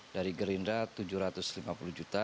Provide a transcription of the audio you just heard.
dari gerindra tujuh ratus lima puluh juta